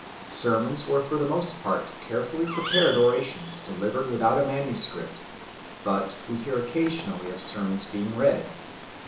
Sermons were for the most part carefully prepared orations delivered without a manuscript; but we hear occasionally of sermons being read.